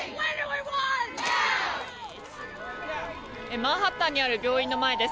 マンハッタンにある病院の前です。